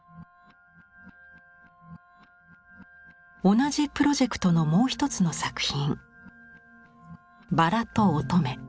同じプロジェクトのもう一つの作品。